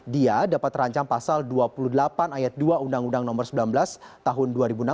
dia dapat terancam pasal dua puluh delapan ayat dua undang undang nomor sembilan belas tahun dua ribu enam belas